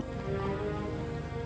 ini semua karena ide ar